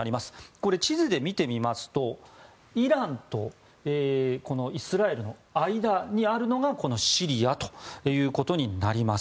これ、地図で見てみますとイランとイスラエルの間にあるのがシリアということになります。